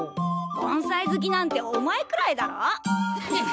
盆栽好きなんてお前くらいだろ。